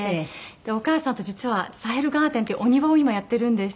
でお母さんと実はサヘルガーデンっていうお庭を今やってるんです。